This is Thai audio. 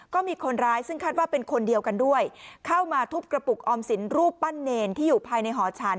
ก็มีคนร้ายซึ่งคาดว่าเป็นคนเดียวกันด้วยเข้ามาทุบกระปุกออมสินรูปปั้นเนรที่อยู่ภายในหอฉัน